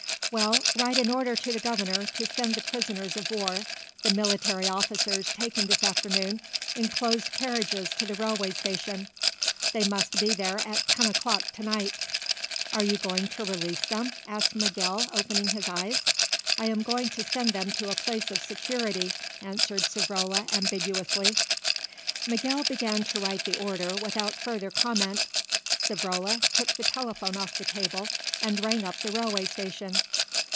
"Well, write an order to the Governor to send the prisoners of war, the military officers taken this afternoon, in closed carriages to the railway station. They must be there at ten o'clock to night." "Are you going to release them?" asked Miguel opening his eyes. "I am going to send them to a place of security," answered Savrola ambiguously. Miguel began to write the order without further comment. Savrola took the telephone off the table and rang up the railway station.